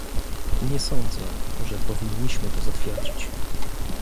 Nie sądzę, że powinniśmy to zatwierdzić